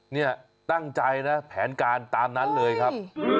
เนี่ยตั้งใจนะแผนการตามนั้นเลยครับ